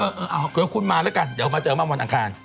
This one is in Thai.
เออเอาก็คุณมาละกันเดี๋ยวมาเจอกันวันอังการ